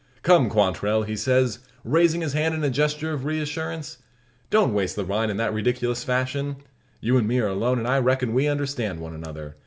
"Come, Quantrell!" he says, raising his arm in a gesture of reassurance, "don't waste the wine in that ridikelous fashion. You and me are alone, and I reckin we understand one another.